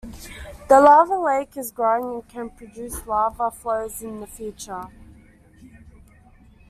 The lava lake is growing and can produce lava flows in the future.